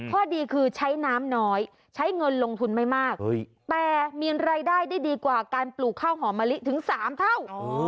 ข้อดีคือใช้น้ำน้อยใช้เงินลงทุนไม่มากแต่มีรายได้ได้ดีกว่าการปลูกข้าวหอมมะลิถึง๓เท่า